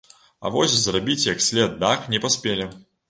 А вось зрабіць як след дах не паспелі.